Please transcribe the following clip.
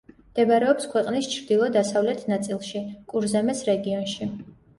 მდებარეობს ქვეყნის ჩრდილო-დასავლეთ ნაწილში, კურზემეს რეგიონში.